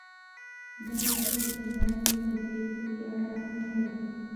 دا موضوع چنداني په دې پورې اړه هم نه لري.